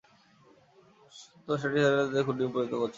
সে Shadysider দের খুনিতে পরিনত করছে না।